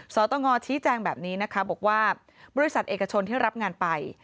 สตงชี้แจงแบบนี้นะคะบอกว่าบริษัทเอกชนที่รับงานไป